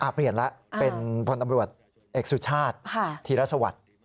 เปลี่ยนแล้วเป็นพลตำรวจเอกสุชาติธีรสวัสดิ์